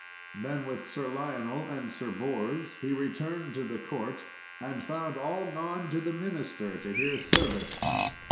Then with Sir Lionel and Sir Bors he returned to the court, and found all gone to the minster to hear service.